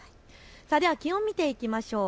では気温見ていきましょう。